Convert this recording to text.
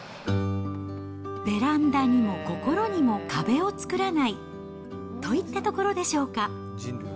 ベランダにも心にも壁を作らないといったところでしょうか。